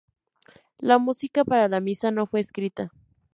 La música para la misa no fue escrita.